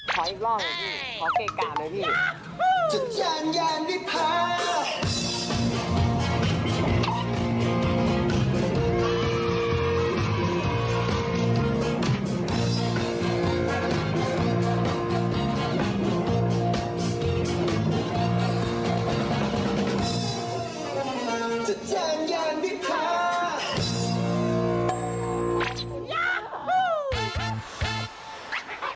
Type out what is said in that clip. ขออีกรอบเลยพี่ขอเกรกรรมเลยพี่ค่ะค่ะค่ะ